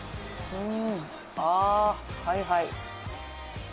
あはいはい。